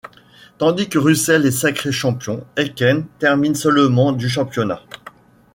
Tandis que Russell est sacré champion, Aitken termine seulement du championnat.